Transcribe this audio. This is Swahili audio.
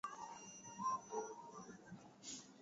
baadae mwaka huo wa elfu mbili na ishirini na tatu